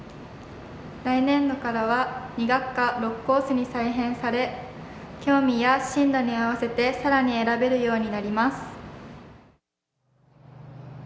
来年度からは２学科、６コースに再編され興味や進路に合わせてさらに選べるようになります。